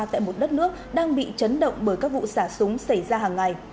tại một đất nước đang bị chấn động bởi các vụ xả súng xảy ra hàng ngày